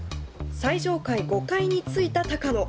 最上階５階に着いた高野。